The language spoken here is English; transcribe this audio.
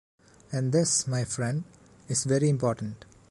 And this, my friend, is very important.